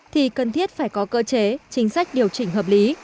thì cần thiết phải có cơ chế chính sách điều chỉnh hợp lý